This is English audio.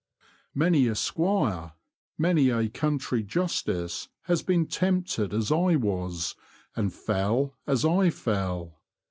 Many a '' Squire," many a Country Justice has been tempted as I was, and fell as I fell.